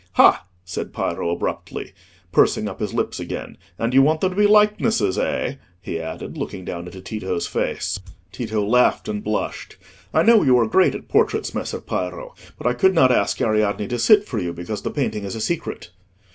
"Ha!" said Piero, abruptly, pursing up his lips again. "And you want them to be likenesses, eh?" he added, looking down into Tito's face. Tito laughed and blushed. "I know you are great at portraits, Messer Piero; but I could not ask Ariadne to sit for you, because the painting is a secret."